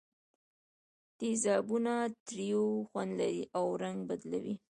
تیزابونه تریو خوند لري او رنګ بدلوي.